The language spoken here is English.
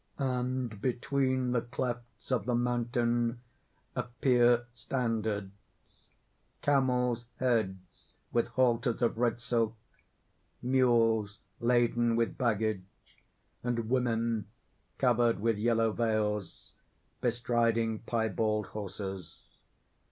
_And between the clefts of the mountain, appear standards, camels' heads with halters of red silk mules laden with baggage, and women covered with yellow veils, bestriding piebald horses.